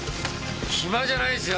暇じゃないですよ！